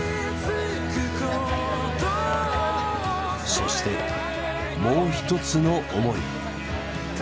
そしてもう一つの思い。